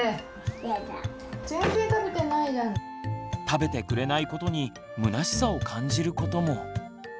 食べてくれないことにむなしさを感じることも。